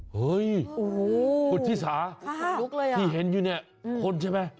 เห้ยควรพิสาธิ์ที่เห็นเงี๊ยะถูกเลยอ่ะที่เห็นยังไงคนใช่ไหม